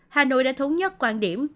hà nội đã thống nhất quan điểm